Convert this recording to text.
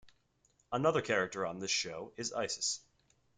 Another character on this show is Isis.